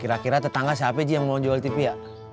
kira kira tetangga siapa aja yang mau jual tv ya